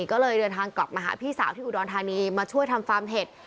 ก็เลยเดินทางกลับมาหาพี่สาวที่อุดรธานีมาช่วยทำฟาร์มเห็ด